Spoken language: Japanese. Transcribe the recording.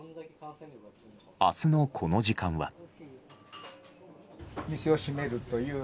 明日の、この時間は。